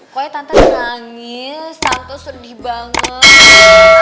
pokoknya tante nangis tante sedih banget